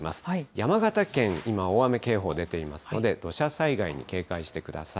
山形県、今、大雨警報が出ていますので、土砂災害に警戒してください。